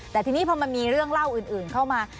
แต่ทีนี้พอมันมีเรื่องเล่าอื่นเข้ามา